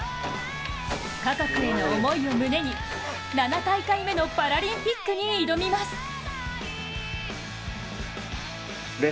家族への思いを胸に、７大会目のパラリンピックに挑みます。